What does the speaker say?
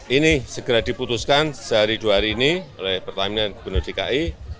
ini segera diputuskan sehari dua hari ini oleh pertamina dan gubernur dki